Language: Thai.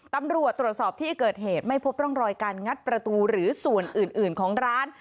ตำรวจตรวจสอบที่เกิดเหตุไม่พบร่องรอยการงัดประตูหรือส่วนอื่นของร้าน